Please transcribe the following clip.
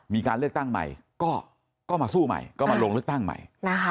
มีการเลือกตั้งใหม่ก็มาสู้ใหม่ก็มาลงเลือกตั้งใหม่